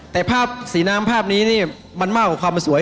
แต่ภาพสีน้ำภาพนี้นี่มันมากกว่าความสวย